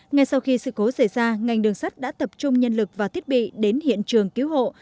ngay sau khi sự cố xảy ra ngành đường sắt đã tập trung nhân lực và thiết bị đến hiện trường cứu hộ